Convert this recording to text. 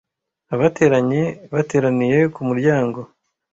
abateranye bateraniye ku muryango